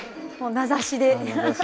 名指しで。